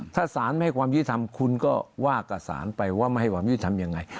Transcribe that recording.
ถ้าสารไม่ให้ความที่จะทำคุณก็ว่ากระสานไปว่าไม่ให้ความที่จะทำยังไง